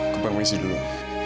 aku panggil isi dulu